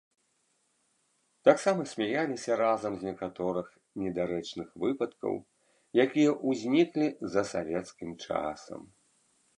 Таксама смяяліся разам з некаторых недарэчных выпадкаў, якія ўзніклі за савецкім часам.